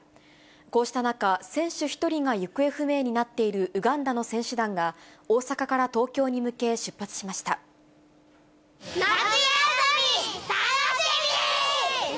こうした中、選手１人が行方不明になっているウガンダの選手団が、大阪から東夏休み楽しみー！